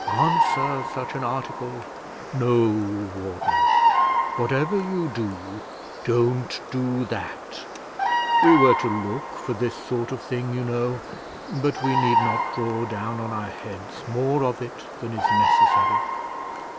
Answer such an article! No, warden; whatever you do, don't do that. We were to look for this sort of thing, you know; but we need not draw down on our heads more of it than is necessary."